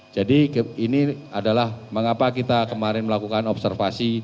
jadi ini adalah mengapa kita kemarin melakukan observasi